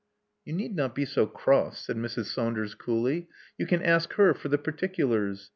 You need not be so cross," said Mrs. Saunders coolly. You can ask her for the particulars.